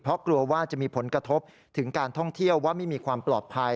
เพราะกลัวว่าจะมีผลกระทบถึงการท่องเที่ยวว่าไม่มีความปลอดภัย